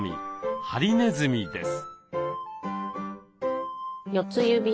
ハリネズミです。